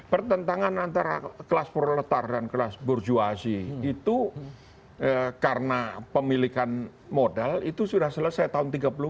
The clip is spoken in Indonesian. pertentangan antara kelas proletar dan kelas burjuasi itu karena pemilikan modal itu sudah selesai tahun tiga puluh empat